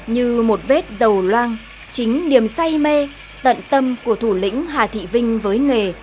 như một vết dầu loang chính niềm say mê tận tâm của thủ lĩnh hà thị vinh với nghề